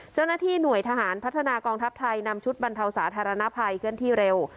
เจ้าหน้าที่หน่วยทหารพัฒนากองทัพไทยนำชุดบรรเทาสาธารณภัยเคลื่อนที่เร็ว